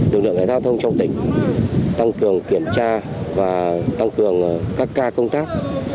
lực lượng cảnh sát giao thông trong tỉnh tăng cường kiểm tra và tăng cường các ca công tác